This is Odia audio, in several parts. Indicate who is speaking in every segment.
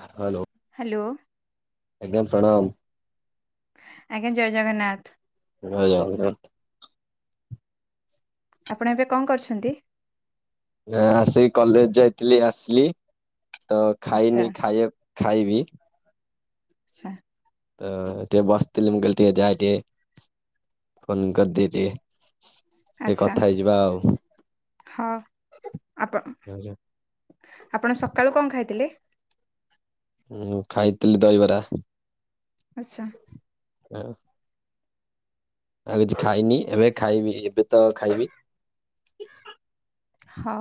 Speaker 1: Hello
Speaker 2: hello.
Speaker 1: ଆଜ୍ଞା ପ୍ରଣାମ।
Speaker 2: ଆଜ୍ଞା ଜୟ ଜଗନ୍ନାଥ।
Speaker 1: ଜୟ ଜଗନ୍ନାଥ।
Speaker 2: ଆପଣ ଏବେ କଣ କରିଛନ୍ତି?
Speaker 1: ଅଁ ଆସିକି କଲେଜ ଯାଇଥିଲି ଆସିଲି ତ
Speaker 2: ଆଚ୍ଛା
Speaker 1: ଖାଇନି ଖାଇବା ଖାଇବି।
Speaker 2: ଆଛା।
Speaker 1: ଏଁ ଟିକେ ବସିଥିଲି ମୁ କଇଲି ଟିକେ ଯାଏ ଟିଏ ଫୋନ କରିଦଉଚି। ଟିକେ
Speaker 2: ଆଚ୍ଛା
Speaker 1: କଥା ହେଇଯିବା ଆଉ
Speaker 2: ହଉ ଆପଣ
Speaker 1: ଯାଇଁଲୁ।
Speaker 2: ଆପଣ ସକାଳୁ କଣ ଖାଇଥିଲେ?
Speaker 1: ଉଁ ଖାଇଥିଲି ଦହିବରା।
Speaker 2: ଆଚ୍ଛା।
Speaker 1: [inaudible] ଆଉ କିଛି ଖାଇନି ଏବେ ଖାଇବି ଏବେ ତ ଖାଇବି।
Speaker 2: ହଉ।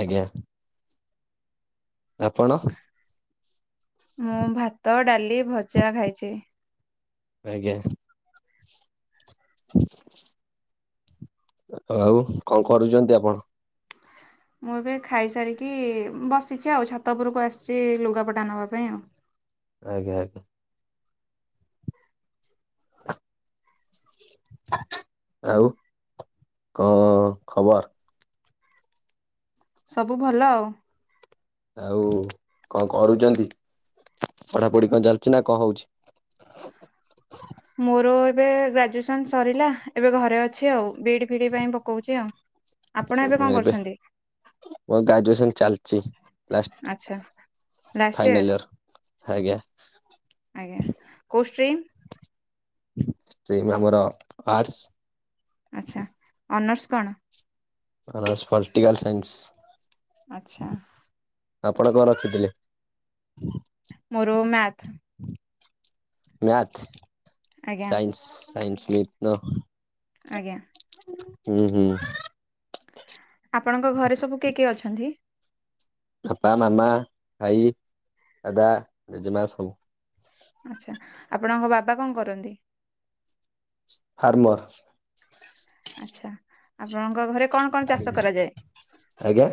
Speaker 1: ଆଜ୍ଞା। ଆପଣ?
Speaker 2: ମୁଁ ଭାତ ଡାଲି ଭଜା ଖାଇଚି।
Speaker 1: ଆଜ୍ଞା। ଆଉ କଣ କରୁଛନ୍ତି ଆପଣ?
Speaker 2: ମୁଁ ଏବେ ଖାଇସାରିକି ବସିଛି, ଆଉ ଛାତ ଉପୁରକୁ ଆସିଛି, ଲୁଗାପଟା ନେବା ପାଇଁ ଆଉ।
Speaker 1: ଆଜ୍ଞା ଆଜ୍ଞା ଆଉ କଣ ଖବର୍
Speaker 2: ସବୁ ଭଲ ଆଉ।
Speaker 1: ଆଉ କଣ କରୁଛନ୍ତି ପଢାପଢି କଣ ଚାଲିଛି ନା କଣ ହଉଛି?
Speaker 2: ମୋର ଏବେ ଗ୍ରାଜୁଏସନ ସରିଲା ଏବେ ଘରେ ଅଛି ଆଉ ବିଡି ଫିଡି ପାଇଁ ପକଉଛି ଆଉ। ଆପଣ ଏବେ କଣ କରୁଛନ୍ତି?
Speaker 1: ମୋର ଗ୍ରାଜୁଏସନ୍ ଚାଲିଛି ଲାଷ୍ଟ୍
Speaker 2: ଆଚ୍ଛା ଲାଷ୍ଟ ଇୟର
Speaker 1: ଫାଇନାଲ୍ ଇଅର। ଆଜ୍ଞା।
Speaker 2: ଆଜ୍ଞା କୋଷ୍ଟ୍ରେନ୍
Speaker 1: ଷ୍ଟିମ୍ ଆମର ଆର୍ଟସ୍
Speaker 2: ଆଚ୍ଛା ଅନର୍ସ କଣ?
Speaker 1: Honours political science.
Speaker 2: ଆଚ୍ଛା
Speaker 1: ଆପଣ କଣ ରଖିଥିଲେ?
Speaker 2: ମୋର ମ୍ୟାଥ୍
Speaker 1: ମ୍ୟାଥ,
Speaker 2: ଆଜ୍ଞା
Speaker 1: ସାାଇନ୍ସ, ସାାଇନ୍ସ, ମି ତ
Speaker 2: ଆଜ୍ଞା।
Speaker 1: ହୁଁ ହୁଁ।
Speaker 2: ଆପଣଙ୍କ ଘରେ ସବୁ କିଏ କିଏ ଅଛନ୍ତି?
Speaker 1: ବାପା ମାମା ଭାଇ ଦାଦା ଜେଜେମା ସବୁ।
Speaker 2: ଆଚ୍ଛା! ଆପଣଙ୍କ ବାବା କଣ କରନ୍ତି?
Speaker 1: ଫାର୍ମର।
Speaker 2: ଆଛା ଆପଣଙ୍କ ଘରେ କଣ କଣ ଚାଷ କରାଯାଏ।
Speaker 1: ଆଜ୍ଞା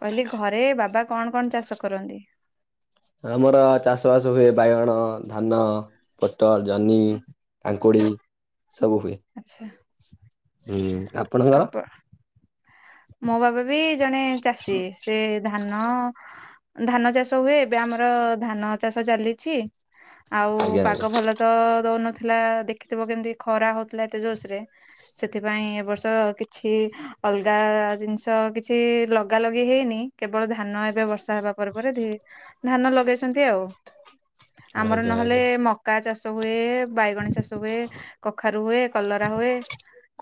Speaker 2: କହିଲି ଘରେ ବାବା କଣ କଣ ଚାଷ କରନ୍ତି?
Speaker 1: ଆମର ଚାଷବାସ ହୁଏ ବାଇଗଣ, ଧାନ, ପୋଟଳ, ଜହ୍ନି। କାକୁଡ଼ି ସବୁ ହୁଏ।
Speaker 2: ଆଚ୍ଛା।
Speaker 1: ହୁଁ ଆପଣଙ୍କର
Speaker 2: ଆପ ମୋ ବାବା ବି ଜଣେ ଚାଷୀ। ସେ ଧାନ ଧାନ ଚାଷ ହୁଏ ଏବେ ଆମର ଧାନ ଚାଷ ଚାଲିଛି ଆଉ
Speaker 1: ଆଜ୍ଞା
Speaker 2: ପାଗ
Speaker 1: ଆଜ୍ଞା
Speaker 2: ଭଲ ତ ଦଉନଥିଲା ଦେଖିଥିବ କେମିତି ଖରା ହଉଥିଲା ଏତେ ଜୋସ୍ ରେ। ସେଥିପାଇଁ ଏ ବର୍ଷ କିଛି ଅଲ ଗାଁ ଜିନିଷ କିଛି ଲଗା ଲଗି ହେଇନି କେବଳ ଧାନ ଏବେ ବର୍ଷା ହେବା ପରେ ପରେ ଧିରେ ଧାନ ଲଗେଇଛନ୍ତି, ଆଉ ଆମର
Speaker 1: ଆଜ୍ଞା
Speaker 2: ନହେଲେ
Speaker 1: ଆଜ୍ଞା
Speaker 2: ମକା ଚାଷ ହୁଏ। ବାଇଗଣ ଚାଷ ହୁଏ କଖାରୁ ହୁଏ କଲରା ହୁଏ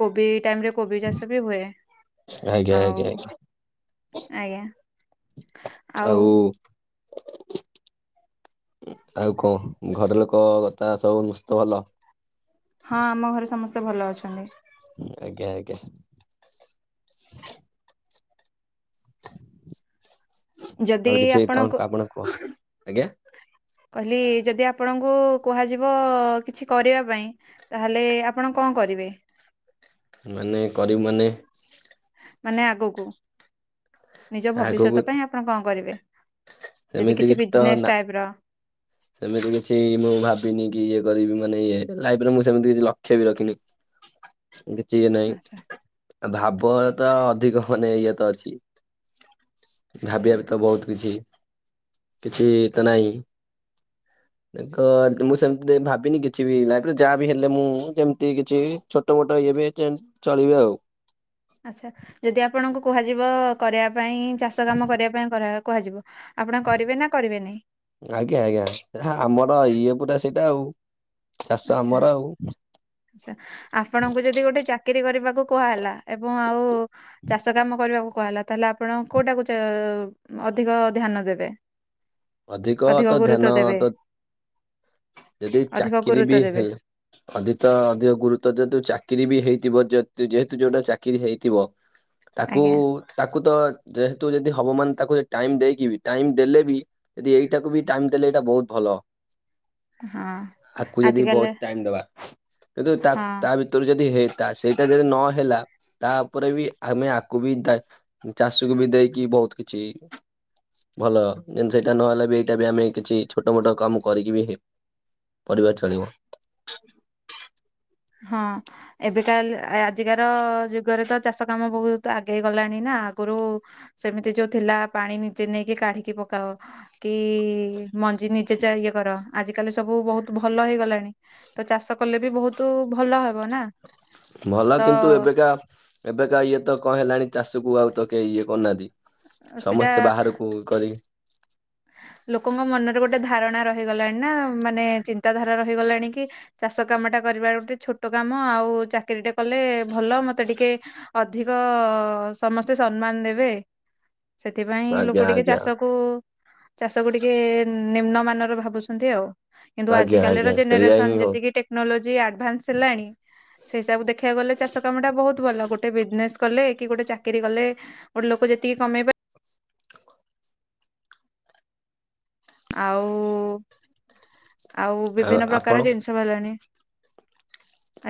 Speaker 2: କୋଭିଡ ଟାଇମ୍ ରେ କୋବି ଚାଷ
Speaker 1: ଆଜ୍ଞା
Speaker 2: ଆଉ
Speaker 1: ଆଜ୍ଞା ଆଜ୍ଞା
Speaker 2: ଆଜ୍ଞା! ଆଉ
Speaker 1: ଆଉ କଣ ଘର ଲୋକ କଥା ସବୁ ନସ୍ତ ଭଲ।
Speaker 2: ହଁ, ଆମ ଘରେ ସମସ୍ତେ ଭଲ ଅଛନ୍ତି।
Speaker 1: ଆଜ୍ଞା! ଆଜ୍ଞା! କ
Speaker 2: ଯଦି
Speaker 1: କିଛି ତ
Speaker 2: ଆପଣଙ୍କୁ
Speaker 1: ଆପଣ କୁହ ଆଜ୍ଞା
Speaker 2: କହିଲି ଯଦି ଆପଣଙ୍କୁ କୁହାଯିବ କିଛି କରିବା ପାଇଁ ତାହେଲେ ଆପଣ କଣ କରିବେ?
Speaker 1: ମାନେ କରିବୁ ମାନେ
Speaker 2: ମାନେ ଆଗକୁ ନିଜ
Speaker 1: ଆଗକୁ
Speaker 2: ଭବିଷ୍ୟତ ପାଇଁ ଆପଣ କଣ କରିବେ? ଯଦି
Speaker 1: ସେମିତି
Speaker 2: କିଛି
Speaker 1: ତ
Speaker 2: ବିଜନେସ୍
Speaker 1: ନା
Speaker 2: ଟାଇପ୍ ର।
Speaker 1: ସେମିତି କିଛି ମୁଁ ଭାବିନି କି ଇଏ କରିବି ମାନେ ଇଏ ଲାଇଫରେ ମୁଁ ସେମିତି କିଛି ଲକ୍ଷ୍ୟ ବି ରଖିନି। କିଛି ଇଏ
Speaker 2: ଆଚ୍ଛା
Speaker 1: ନାହିଁ ଭାବ ତ ଅଧିକ ମାନେ ଇଏ ତ ଅଛି।
Speaker 2: ଆଚ୍ଛା
Speaker 1: ଭାବିବା ବି ତ ବହୁତ କିଛି କିଛି ତ ନାହିଁ। ତ ମୁଁ ସେମିତି ଭାବିନି କିଛି ବି ଲାଇଫ୍ ରେ ଯାହା ବିି ହେଲେ ମୁଁ ଯେମତି କିଛି ଛୋଟ ମୋଟ ଇଏ ବି ଚଳିବେ ଆଉ।
Speaker 2: ଆଚ୍ଛା ଯଦି ଆପଣଙ୍କୁ କୁହାଯିବ କରିବା ପାଇଁ ଚାଷ କାମ କରିବା ପାଇଁ କୁହାଯିବ। ଆପଣ କରିବେ ନା କରିବେନି?
Speaker 1: ଆଜ୍ଞା ଆଜ୍ଞା ଆମର ଇଏ ପୁରା ସେଇଟା ଆଉ ଚାଷ ଆମର ଆଉ।
Speaker 2: ଆଛା ଆପଣଙ୍କୁ ଯଦି ଗୋଟେ ଚାକିରିୀ କରିବାକୁ କୁହା ହେେଲା ଏବଂ ଆଉ ଚାଷ କାମ କରିବାକୁ କୁଆହେଲା ତାହେଲେ ଆପଣ କଉଟାକୁ ଚା ଅଧିକ ଧ୍ୟାନ ଦେବେ?
Speaker 1: ଅଧିକ ତ
Speaker 2: ଗୁରୁତ୍ୱ
Speaker 1: ଧ୍ୟାନ
Speaker 2: ଦେବେ
Speaker 1: ତ ଯଦି
Speaker 2: ଅଧିକ
Speaker 1: ଚାକିରି
Speaker 2: ଗୁରୁତ୍ୱ
Speaker 1: ବି
Speaker 2: ଦେବେ
Speaker 1: ହେଲେ ଅଧି ତ ଅଧିକ ଗୁରୁତ୍ୱ ଦିଅନ୍ତୁ ଚାକିରି ବି ହେଇଥିବ ଯଦି ଯେହେତୁ ଯୋଉଟା ଚାକିରି ହେଇଥିବ ତାକୁ
Speaker 2: ଆଜ୍ଞା
Speaker 1: ତାକୁ ତ ଯେହେତୁ ଯଦି ହବ ମାନ ତାକୁ ଟାଇମ ଦେଇକି ବି ଟାଇମ ଦେଲେ ବି ଯଦି ଏଇଟାକୁ ବି ଟାଇମ ଦେଲେ ଏଇଟା ବହୁତ ଭଲ।
Speaker 2: ହଁ
Speaker 1: ଆକୁ ଯଦି
Speaker 2: ଆଜିକାଲି
Speaker 1: ବହୁତ ଟାଇମ ଦବା କିନ୍ତୁ
Speaker 2: ହଁ
Speaker 1: ତା-ତା ଭିତ ଯଦି ହେଇ ତା ସେଇଟା ଯଦି ନହେଲା ତା ଉପରେ ବି ଆମେ ଆକୁ ବି ଚାଷୀକୁ ବି ଦେଇକି ବହୁତ କିଛି ଭଲ ସେ ଏଇଟା ନହେଲେ ବି ଏଇଟା ବି ଆମେ କିଛି ଛୋଟ ମୋଟ କାମ କରିକି ବି ପରିବାର ଚଳିବ।
Speaker 2: ହଁ ଏବେ କାଲ ରୋଜଗାର ଯୁଗରେ ତ ଚାଷ କାମ ବହୁତ ଆଗେଇ ଗଲାଣି ନା ଆଗରୁ ସେମିତି ଯୋଉ ଥିଲା ପାଣି ନିଜେ ନେଇକି କାଢିକି ପକାଅ। କି ମଞ୍ଜି ନିଜେ ଯ ଇଏ କର ଆଜିକାଲି ସବୁ ବହୁତ ଭଲ ହେଇଗଲାଣି। ତ ଚାଷ କଲେ ବି ବହୁତ ଭଲ ହବ ନା।
Speaker 1: ଭଲ
Speaker 2: ତ
Speaker 1: କିନ୍ତୁ ଏବେକା ଏବେକା ଇଏ ତ କଣ ହେଲାଣି ଚାଷକୁ ଆଉ ତ କେ ଇଏ କରୁନାହାନ୍ତି।
Speaker 2: ସେଟା
Speaker 1: ସମସ୍ତେ ବାହାରକୁ କରି
Speaker 2: ଲୋକଙ୍କ ମନରେ ଗୋଟେ ଧାରଣା ରହିଗଲାଣି ନା ମାନେ ଚିନ୍ତାଧାରା ରହିଗଲାଣି କି ଚାଷ କାମ ଟା କରିବା ଗୋଟେ ଛୋଟ କାମ ଆଉ ଚାକିରି ଟା କଲେ ଭଲ ମତେ ଟିକେ ଅଧିକ ସମସ୍ତେ ସମ୍ମାନ ଦେବେ। ସେଥିପାଇଁ
Speaker 1: ଆଜ୍ଞା
Speaker 2: ଲୋକ ଟିକେ
Speaker 1: ଆଜ୍ଞା
Speaker 2: ଚାଷ କୁ ଚାଷ ଗୁଡିକେ ନିମ୍ନ ମାନର ଭାବୁଛନ୍ତି। ଆଉ କିନ୍ତୁ
Speaker 1: ଆଜ୍ଞା ଆଜ୍ଞା
Speaker 2: ଆଜିକାଲିର
Speaker 1: ସେଇଆ ହିଁ
Speaker 2: ଜେନେରେସନ
Speaker 1: ହଉ
Speaker 2: ଯେତିକି କ୍ନୋଲୋଜି ଆଡ଼ଭାନ୍ସ ହେଲାଣି ସେଇିସାବୁ ଦେଖିବାକୁ ଗଲେ ଚାଷ କାମଟା ବହୁତ ଭଲ। ଗୋଟେ ବିଜନେସ୍ କଲେ କି ଗୋଟେ ଚାକିରି କଲେ ଗୋଟେ ଲୋକ ଯେତିକି କମେଇବ ଆଉ ଆଉ ବିଭିନ୍ନ ପ୍ରକାର ଜିନିଷ ଭଲାଣି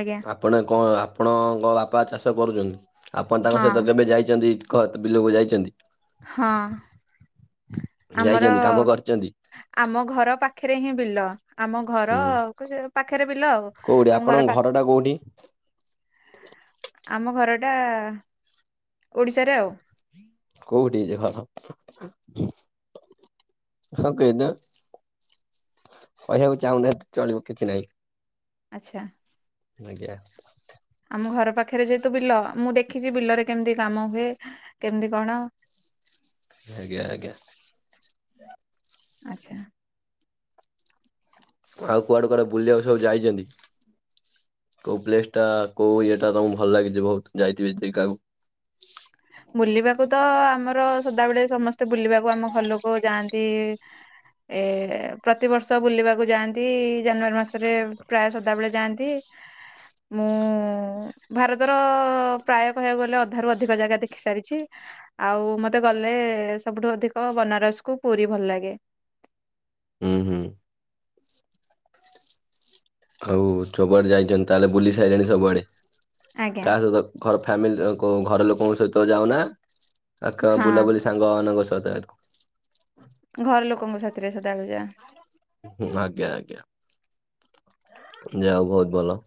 Speaker 2: ଆଜ୍ଞା।
Speaker 1: ଆପଣ କଣ ଆପଣଙ୍କ ବାପା ଚାଷ କରୁଛନ୍ତି ଆପଣ ତାଙ୍କ
Speaker 2: ହଁ
Speaker 1: ସହିତ କେବେ ଯାଇଛନ୍ତି। କହ ତ ବିଲକୁ ଯାଇଛନ୍ତି?
Speaker 2: ହଁ ଆମର
Speaker 1: ଯାଇଛନ୍ତି କାମ କରିଛନ୍ତି
Speaker 2: ଆମ ଘର ପାଖରେ ହିଁ ବିଲ। ଆମ ଘର
Speaker 1: ହୁଁ
Speaker 2: କ ପାଖରେ ବିଲ ଆଉ
Speaker 1: କୋଉଠି
Speaker 2: ଆମ
Speaker 1: ଆପଣଙ୍କ
Speaker 2: ଘର ପା
Speaker 1: ଟା କୋଉଠି?
Speaker 2: ଆମ ଘରଟା ଓଡିଶାରେ ଆଉ
Speaker 1: କୋଉଠି ଯେ ଘର ହଁ କେନ୍ଦର କହିବାକୁ ଚାହୁଁନାହିଁ ଚଳିବ କିଛି ନାହିଁ।
Speaker 2: ଆଚ୍ଛା।
Speaker 1: ଆଜ୍ଞା।
Speaker 2: ଆମ ଘର ପାଖରେ ଯେହେତୁ ବିଲ ମୁଁ ଦେଖିଛି ବିଲରେ କେମିତି କାମ ହୁଏ କେମିତି କଣ
Speaker 1: ଆଜ୍ଞା ଆଜ୍ଞା।
Speaker 2: ଆଚ୍ଛା।
Speaker 1: ଆଉ କୁଆଡେ କୁଆଡେ ବୁଲିବାକୁ ସବୁ ଯାଇଚନ୍ତି? କୋଉ ପ୍ଲେସ୍ ଟା କୋଉ ଇଏଟା ତମକୁ ଭଲ ଲାଗିଚି ବୋହୁତ୍, ଯାଇଥିବେ ଜଦୀ କି ଆଉ?
Speaker 2: ବୁଲିବାକୁ ତ ଆମର ସଦାବେଳେ ସମସ୍ତେ ବୁଲିବାକୁ ଆମ ଘର ଲୋକ ଯାଆନ୍ତି। ଏ ପ୍ରତିବର୍ଷ ବୁଲିବାକୁ ଯାଆନ୍ତି। ଜାନୁୟାରୀ ମାସରେ ପ୍ରାୟ ସଦାବେଳେ ଯାଆ ଦେ ମୁଁ ଭାରତର ପ୍ରାୟ କହିବାକୁ ଗଲେ ଅଧାରୁ ଅଧିକ ଜାଗା ଦେଖି ଦେଖି ସାରିଛି। ଆଉ ମତେ ଗଲେ, ସବୁଠୁ ଅଧିକ ବନାରସ କୁ ପୁରୀ ଭଲ ଲାଗେ।
Speaker 1: ଉଁ ହୁଁ। ଓ ସବୁଆଡେ ଯାଇଚନ୍ତି ତାହେଲେ, ବୁଲି ସାଇଲେଣି ସବୁଆଡେ?
Speaker 2: ଆଜ୍ଞା
Speaker 1: କହା ସହିତ ଘର ଫ୍ୟାମିଲି ଙ୍କ ଘର ଲୋକଙ୍କ ସହିତ ଯାଉନା, ଆ
Speaker 2: ହଁ
Speaker 1: ବୁଲାବୁଲି ସାଙ୍ଗମାନଙ୍କ ସହିତ ଯାଉଥିବ?
Speaker 2: ଘର ଲୋକଙ୍କ ସାଥିରେ ସଦାବେଳେ ଯାଏ।
Speaker 1: ହୁଁ, ଆଜ୍ଞା ଆଜ୍ଞା। ଯା ହୋଉ ବୋହୁତ୍ ଭଲ।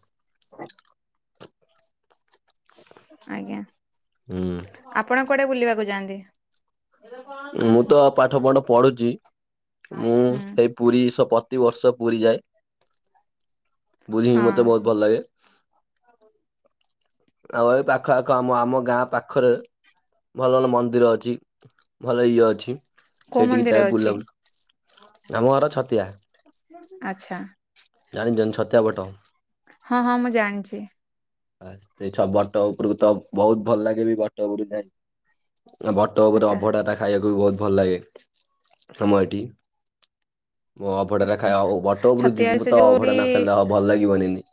Speaker 2: ଆଜ୍ଞା।
Speaker 1: ହୁଁ।
Speaker 2: ଆପଣ କୁଆଡେ ବୁଲିବାକୁ ଯାଆନ୍ତି?
Speaker 1: ମୁଁ ତ ପାଠ ଫାଠ ପଢୁଛି। ମୁଁ
Speaker 2: ହୁଁ
Speaker 1: ସେଇ ପୁରୀ ସ ପ୍ରତିିବର୍ଷ ପୁରୀ ଯାଏ।
Speaker 2: ହଁ
Speaker 1: ବୁଲିକି ମତେ ବୋହୁତ୍ ଭଲ ଲାଗେ। ଆଉ ଏ ପାଖ ଆଖ ଆମ ଆମ ଗାଁ ପାଖରେ, ଭଲ ଭଲ ମନ୍ଦିର ଅଛି। ଭଲ ଇଏ ଅଛି।
Speaker 2: କୋଉ
Speaker 1: ସେଇଠିକି
Speaker 2: ମନ୍ଦିର
Speaker 1: ଯାଏ
Speaker 2: ଅଛି?
Speaker 1: ବୁଲାବୁଲି, ଆମ ଘର ଛତିଆ।
Speaker 2: ଆଛା।
Speaker 1: ଜାଣିଛନ୍ତି ଛତ୍ୟାବଟ?
Speaker 2: ହଁ ହଁ ମୁଁ ଜାଣିଛି।
Speaker 1: ଆ ଛ ବଟ ଉପରକୁ ତ, ବୋହୁତ୍ ଭଲ ଲାଗେ ବି ବଟ ଉପରକୁ ଯାଇ, ଇ ବ ତ
Speaker 2: ଆଚ୍ଛା
Speaker 1: ଅଭଢାଟା ଖାଇବାକୁ ବି ବୋହୁତ୍ ଭଲ ଲାଗେ ଆମ ଏଠି। ମୁଁ ଅଭଢାଟା
Speaker 2: ଆଚ୍ଛା
Speaker 1: ଖାଏ ଆଉ ବଟ ଉପରକୁ
Speaker 2: ଛତିଆ
Speaker 1: ଯିବୁ ମୁ
Speaker 2: ସେ
Speaker 1: ତ ଅଭଡା
Speaker 2: ଯୋଉଠି
Speaker 1: ନ ଖାଇଲେ ଆଉ ଭଲ ଲାଗିବନିି ଇନି।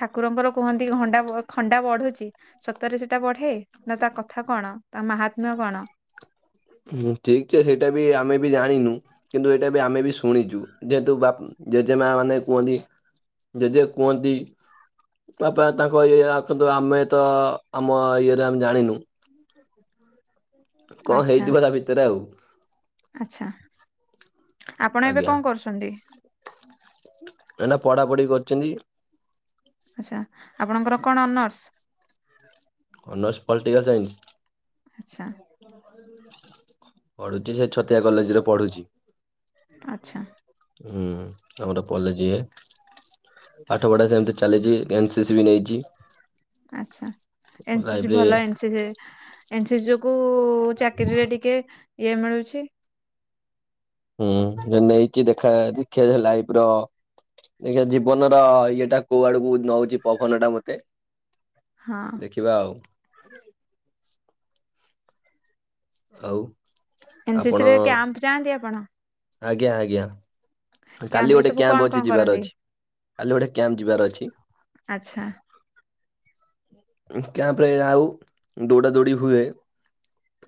Speaker 2: ଠାକୁରଙ୍କର କୁହନ୍ତି ହଣ୍ଡା ବ ଖଣ୍ଡା ବଢ଼ୁଚି? ସତରେ ସେଟା ବଢ଼େ? ନା ତା କଥା କଣ? ତା ମହାତ୍ମ୍ୟ କଣ?
Speaker 1: ହୁଁ ଠିକ୍ ସେ ସେଟା ବି ଆମେ ବି ଜାଣିନୁ କିନ୍ତୁ ଏଇଟା ବି ଆମେ ବି ଶୁଣିଛୁ। ଯେହେତୁ ବା ଜେଜେମା ମାନେ କୁହନ୍ତି। ଜେଜେ କୁହନ୍ତି ବାପ ତାଙ୍କ ଇଏ ଆଖନ୍ତୁ ଆମେ ତ ଆମ ଇଏରେ ଆମେ ଜାଣିନୁ
Speaker 2: ଆ ହୁ [unintelligible]
Speaker 1: କଅଁ ହେଇଥିବ ତା ଭିତରେ ଆଉ।
Speaker 2: ଆଛା। ଆପଣ ଏବେ କଣ କରୁଚନ୍ତି?
Speaker 1: ଏନା ପଢା ପଢି କରିଚନ୍ତି।
Speaker 2: ଆଚ୍ଛା। ଆପଣଙ୍କର କଣ ଅନର୍ସ?
Speaker 1: Honours political science.
Speaker 2: ଆଚ୍ଛା
Speaker 1: ପଢୁଚି, ସେ ଛତିଆ କଲେଜ୍ ରେ ପଢୁଚି।
Speaker 2: ଆଚ୍ଛା।
Speaker 1: ହୁଁ ଆମର ପଲେ ଯିଏ ପାଠ ପଢା ସେମତି ଚାଲିଚି। ଏନ୍ ସିସି ବି ନେଇଚି।
Speaker 2: ଆଚ୍ଛା। ଏନ୍ ସିସି
Speaker 1: ରେ
Speaker 2: ଭଲ ଏନ୍ ସିସି। ଏନ୍ ସିସି, ଯୋଗୁ ଚାକିରିରେ ଟିକେ ଇଏ ମିଳୁଛି।
Speaker 1: ହୁଁ ଯେ ନେଇଚି ଦେଖା- ଦେଖିବା ଲାଇଫ୍ ର ଦେଖିବା ଜୀବନର ଇଏଟା କୋଉ ଆଡକୁ ନଉଛି ପବନ ଟା ମତେ।
Speaker 2: ହଁ।
Speaker 1: [unintelligible] ଆଉ। [inaudible] ଆଉ ଆପଣ
Speaker 2: ଏନ୍ସିସିରେ କ୍ୟାମ୍ପ ଯାଆନ୍ତି ଆପଣ?
Speaker 1: ଆଜ୍ଞା ଆଜ୍ଞା।
Speaker 2: କ୍ୟାମ୍ପ
Speaker 1: କାଲି
Speaker 2: ରେ
Speaker 1: ଗୋଟେ
Speaker 2: ସବୁ କଣ
Speaker 1: କ୍ୟାମ୍ପ
Speaker 2: କଣ
Speaker 1: ଅଛି, ଯିବାର
Speaker 2: କରନ୍ତି?
Speaker 1: ଅଛି କାଲି ଗୋଟେ କ୍ୟାମ୍ପ ଯିବାର ଅଛି।
Speaker 2: ଆଚ୍ଛା।
Speaker 1: କ୍ୟାମ୍ପରେ ଆଉ ଦୌଡ଼ା ଦୌଡ଼ି ହୁଏ।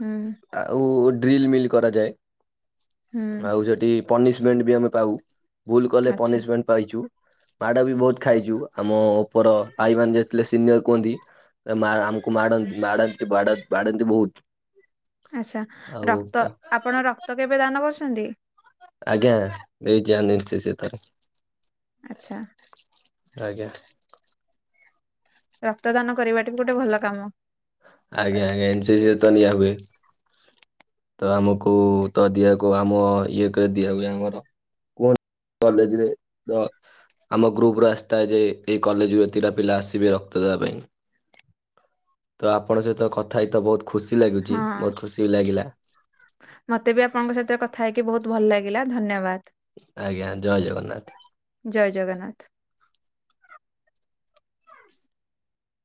Speaker 2: ହୁଁ।
Speaker 1: ଆଉ ଡ୍ରିଲ ମିଲ୍ କରାଯାଏ
Speaker 2: ହୁଁ
Speaker 1: ଆଉ ସେଠି ପନିସମେଣ୍ଟ ବି ଆମେ ପାଉ ଭୁଲ୍ କଲେ
Speaker 2: ଆଚ୍ଛା
Speaker 1: ପନିସମେଣ୍ଟ ପାଇଚୁ ମାଡ଼ ବି ବହୁତ ଖାଇଚୁ ଆମ ଉପର ଭାଇମାନେ ଯେଥିଲେ ସିନିୟର କୁହନ୍ତି ମା ଆମକୁ ମାଡ଼ନ୍ତି ମାଡ଼ନ୍ତି ବାଡ଼ାନ୍ତି ବାଡ଼ାନ୍ତି ବହୁତ।
Speaker 2: ଆଚ୍ଛା
Speaker 1: ଆଉ
Speaker 2: ରକ୍ତ ଆପଣ ରକ୍ତ କେବେ ଦାନ କରିଛନ୍ତି?
Speaker 1: ଆଜ୍ଞା [unintelligible] ସେ ତାର।
Speaker 2: ଆଚ୍ଛା।
Speaker 1: ଆଜ୍ଞା।
Speaker 2: ରକ୍ତଦାନ କରିବା ଟ ବି ଗୋଟେ ଭଲ କାମ।
Speaker 1: ଆଜ୍ଞା ଆଜ୍ଞା ଏନ୍ସିସି ରେ ତ ନିଆ ହୁଏ। ତ ଆମକୁ ତ ଦିଆକୁ ଆମ ଇଏ କ ଦିଆ ହୁଏ ଆମର। [unintelligible] କଲେଜରେ [unintelligible] ଆମ ଗ୍ରୁପ ର ଆସିଥାଏ ଯେ ଏଇ କଲେଜରୁ ଏତିକଟା ପିଲା ଆସିବେ ରକ୍ତ ଦେବା ପାଇଁ। ତ ଆପଣଙ୍କ ସହିତ କଥା ହେଇକି ତ ବହୁତ ଖୁସି ଲାଗୁଛି
Speaker 2: ହଁ
Speaker 1: ବହୁତ ଖୁସି ବି ଲାଗିଲା।
Speaker 2: ମତେ ବି ଆପଣଙ୍କ ସହିତ କଥା ହେଇକି ବହୁତ ଭଲ ଲାଗିଲା ଧନ୍ୟବାଦ।
Speaker 1: ଆଜ୍ଞା ଜୟ ଜଗନ୍ନାଥ।
Speaker 2: ଜୟ ଜଗନ୍ନାଥ।